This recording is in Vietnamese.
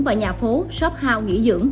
và nhà phố shop house nghỉ dưỡng